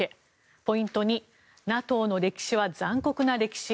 ポイント２ＮＡＴＯの歴史は残酷な歴史。